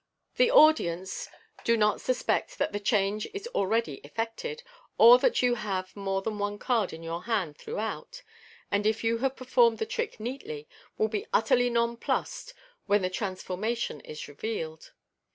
The audience do not suspect Fig. 19. MODERN MAGIC. 33 Fig. 2a that the change is already effected, or that you have had more than one card in your hand throughout, and if you Iiave performed the trick neatly, will be utterly nonplussed when the trans formation is revealed.